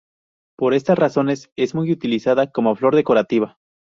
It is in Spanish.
Por estas razones es muy utilizada como flor decorativa.